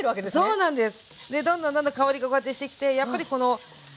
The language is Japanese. そうなんです。